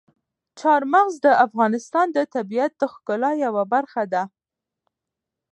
چار مغز د افغانستان د طبیعت د ښکلا یوه برخه ده.